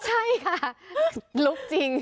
ใช่ค่ะลุกจริง